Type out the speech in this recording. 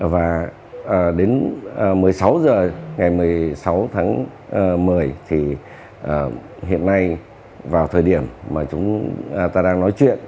và đến một mươi sáu h ngày một mươi sáu tháng một mươi thì hiện nay vào thời điểm mà chúng ta đang nói chuyện